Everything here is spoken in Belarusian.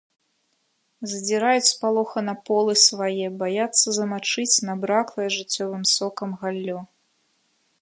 Задзіраюць спалохана полы свае, баяцца змачыць набраклае жыццёвым сокам галлё.